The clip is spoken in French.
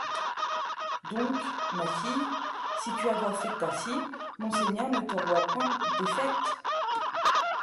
Doncques, ma fille, si tu avoys faict ainsy, Monseigneur ne te auroyt point deffaicte.